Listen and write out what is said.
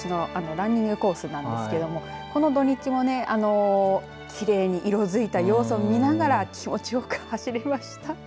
ランニングコースなんですけどもこの土日もきれいに色づいた様子を見ながら気持ちよく走りました。